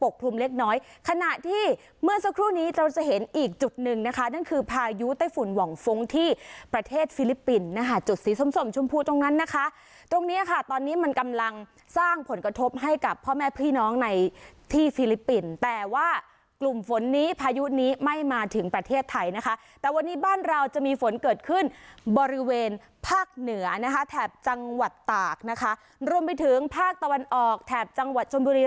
คือพายุใต้ฝุ่นหว่องฟงที่ประเทศฟิลิปปินส์นะคะจุดสีสมชมพูตรงนั้นนะคะตรงนี้ค่ะตอนนี้มันกำลังสร้างผลกระทบให้กับพ่อแม่พี่น้องในที่ฟิลิปปินส์แต่ว่ากลุ่มฝนนี้พายุนี้ไม่มาถึงประเทศไทยนะคะแต่วันนี้บ้านเราจะมีฝนเกิดขึ้นบริเวณภาคเหนือนะคะแถบจังหวัดตากนะคะรวมไปถึงภาคตะว